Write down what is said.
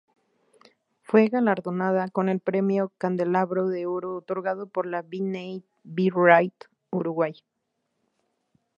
Fue galardonada con el premio Candelabro de Oro otorgado por la B'nai B'rith Uruguay.